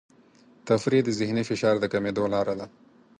تفریح د ذهني فشار د کمېدو لاره ده.